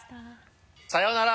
さようなら